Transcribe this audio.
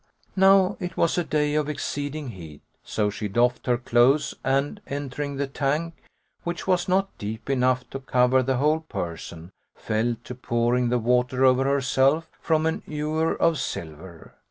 Now it was a day of exceeding heat; so she doffed her clothes and, entering the tank, which was not deep enough to cover the whole person, fell to pouring the water over herself from an ewer of silver.